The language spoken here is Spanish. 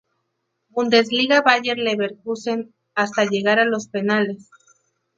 Bundesliga Bayer Leverkusen hasta llegar a los penales.